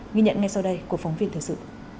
ghi nhận ngay sau đây của phóng viên thời sự